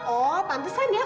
oh pantesan ya